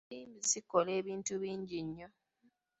Ensimbi zikola ebinti bingi nnyo